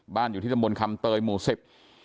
บ้านอยู่ที่สมบนคำเตยหมู่สิบ